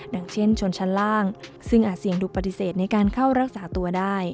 อย่างเช่นชนชั้นล่างซึ่งอาจเสี่ยงดูปฏิเสธในการเข้ารักษาตัวได้